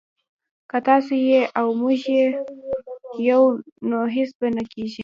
که تاسو يئ او موږ يو نو هيڅ به نه کېږي